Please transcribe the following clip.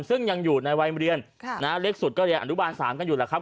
ซึ่งยังอยู่ในวัยเรียนเล็กสุดก็เรียนอนุบาล๓กันอยู่แล้วครับ